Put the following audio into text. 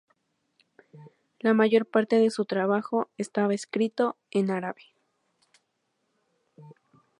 La mayor parte de su trabajo estaba escrito en árabe.